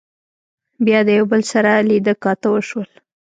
بيا د يو بل سره لیدۀ کاتۀ وشول